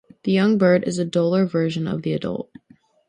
The young bird is a duller version of the adult.